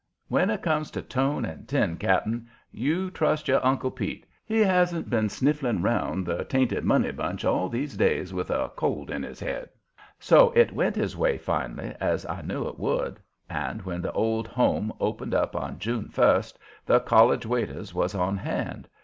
When it comes to tone and tin, Cap'n, you trust your Uncle Pete; he hasn't been sniffling around the tainted money bunch all these days with a cold in his head." So it went his way finally, as I knew it would, and when the Old Home opened up on June first, the college waiters was on hand.